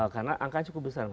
karena angkanya cukup besar